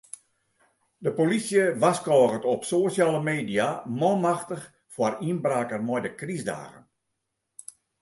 De polysje warskôget op sosjale media manmachtich foar ynbraken mei de krystdagen.